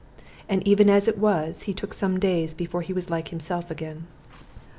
And even as it was, he took some days before he was like himself again.